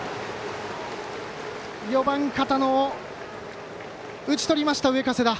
４番、片野を打ち取りました上加世田。